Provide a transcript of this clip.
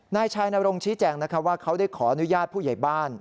นายชายนรงชี้แจงว่าเขาได้ขออนุญาตผู้ใหญ่บ้าน